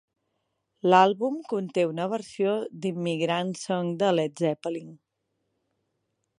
L'àlbum conté una versió d'Immigrant Song de Led Zeppelin.